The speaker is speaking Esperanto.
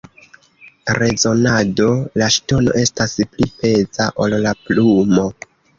Rezonado: La ŝtono estas pli peza ol la plumo.